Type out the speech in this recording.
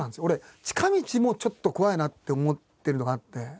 俺近道もちょっと怖いなって思ってるのがあって。